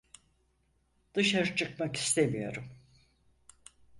Dışarı çıkmak istemiyorum.